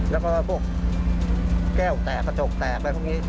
แล้วก็พวกแก้วแตกกระจกแตกอะไรพวกนี้